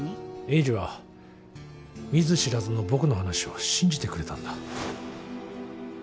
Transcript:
栄治は見ず知らずの僕の話を信じてくれたんだ。